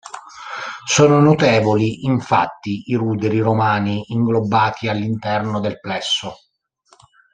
Sono notevoli infatti i ruderi romani inglobati all'interno del plesso.